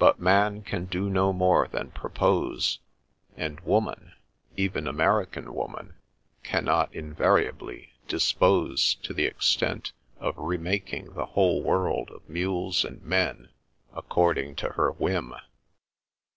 But man can do no more than propose; and woman — even American woman — cannot invariably " dispose " to the extent of remaking the whole world of mules and men acrording to her whim.